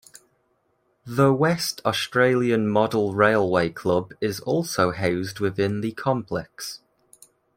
The West Australian Model Railway Club is also housed within the complex.